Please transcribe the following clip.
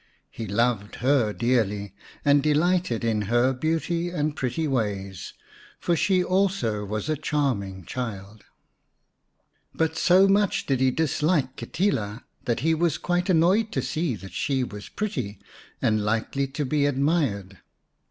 He loved her dearly, and delighted in her beauty and pretty ways, for she also was a charming child. But so much did he dislike Kitila that he was quite annoyed to see 198 xvn Nya nya Bulembu that she was pretty and likely to be admired.